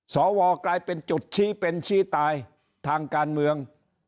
สวกลายเป็นจุดชี้เป็นชี้ตายทางการเมือง